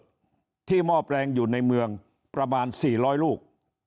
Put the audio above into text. ม่อแปลงไฟฟ้าอยู่ในเมืองประมาณ๔๐๐ลูก